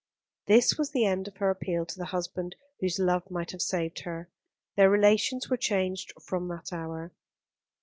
This was the end of her appeal to the husband whose love might have saved her. Their relations were changed from that hour.